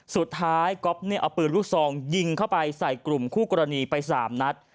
สุดท้ายก๊อปเอาปืนลูกซองยิงเข้าไปใส่กลุ่มคู่กรณีไป๓นัด